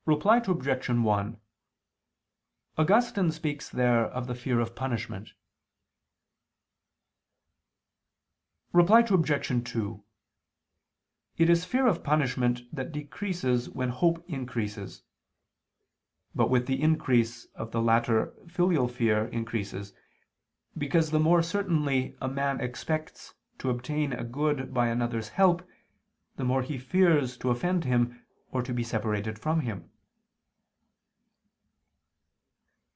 Reply Obj. 1: Augustine speaks there of the fear of punishment. Reply Obj. 2: It is fear of punishment that decreases when hope increases; but with the increase of the latter filial fear increases, because the more certainly a man expects to obtain a good by another's help, the more he fears to offend him or to be separated from him.